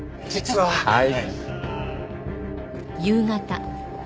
はい。